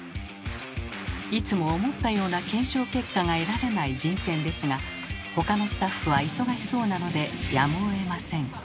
いつも思ったような検証結果が得られない人選ですが他のスタッフは忙しそうなのでやむをえません。